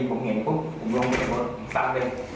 ผมก็ปิดจะรอผีกละ